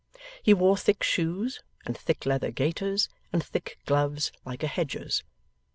He wore thick shoes, and thick leather gaiters, and thick gloves like a hedger's.